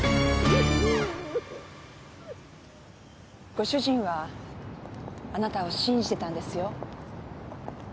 ご主人はあなたを信じてたんですよ。